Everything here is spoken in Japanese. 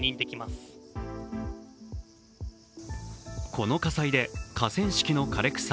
この火災で河川敷の枯れ草